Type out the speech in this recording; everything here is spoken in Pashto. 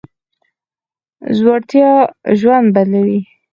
زړورتيا ژوند بدلوي.